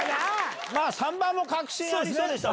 ３番も確信ありそうでした